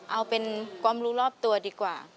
เอาเป็นความรู้รอบตัวดีกว่า